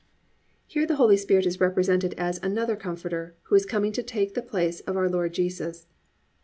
"+ Here the Holy Spirit is represented as another Comforter who is coming to take the place of our Lord Jesus.